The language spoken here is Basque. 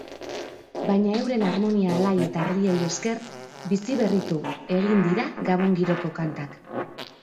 Baina euren armonia alai eta argiei esker bizi-berritu egiten dira gabon giroko kantak.